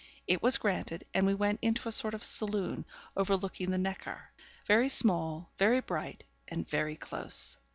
It was granted, and we went into a sort of saloon, over looking the Neckar; very small, very bright, and very close.